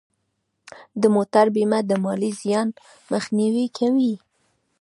د موټر بیمه د مالي زیان مخنیوی کوي.